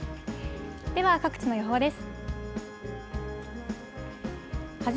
では各地の予報です。